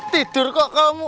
tidur kok kamu